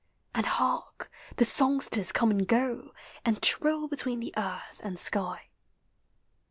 And hark! the songsters conic and go, And trill between the earth and sky.